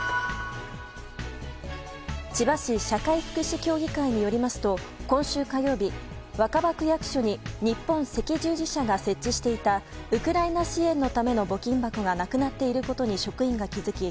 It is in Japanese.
千葉市社会福祉協議会によりますと今週火曜日、若葉区役所に日本赤十字社が設置していたウクライナ支援のための募金箱がなくなっていることに職員が気付き